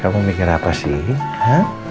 kamu mikir apa sih